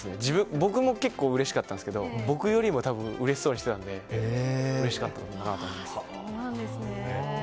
僕もうれしかったんですが僕よりもうれしそうにしていたのでうれしかったんだろうと思います。